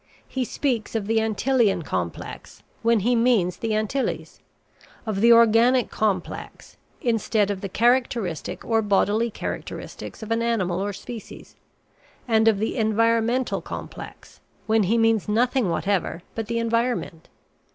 He speaks of the "Antillean complex" when he means the Antilles, of the "organic complex" instead of the characteristic or bodily characteristics of an animal or species, and of the "environmental complex" when he means nothing whatever but the environment.